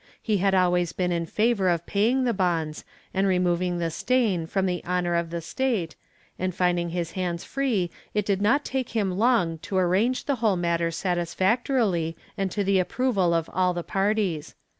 He had always been in favor of paying the bonds, and removing the stain from the honor of the state, and finding his hands free, it did not take him long to arrange the whole matter satisfactorily, and to the approval of all the parties.